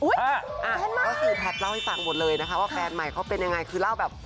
ก็คือแพทย์เล่าให้ฟังหมดเลยนะคะว่าแฟนใหม่เขาเป็นยังไงคือเล่าแบบ